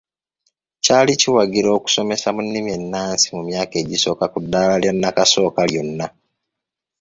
Kyali kiwagira okusomesa mu nnimi enaansi mu myaka egisooka ku ddaala lya nakasooka lyonna.